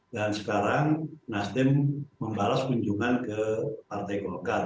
dan sekarang nasdem membalas kunjungan ke partai golkar